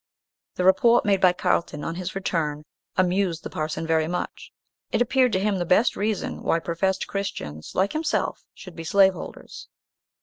The report made by Carlton, on his return, amused the parson very much. It appeared to him the best reason why professed Christians like himself should be slave holders.